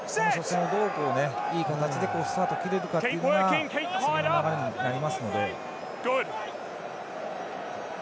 どう、いい形でスタートを切れるかというのがその後の流れにつながりますので。